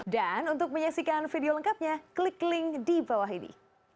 dan untuk menyaksikan video lengkapnya klik link di bawah ini